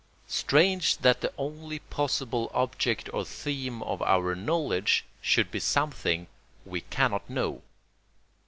Strange that the only possible object or theme of our knowledge should be something we cannot know.